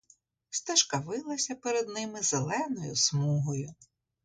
Стежка вилася перед ними зеленою смугою.